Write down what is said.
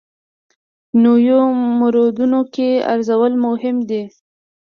نویو موردونو کې ارزول مهم دي.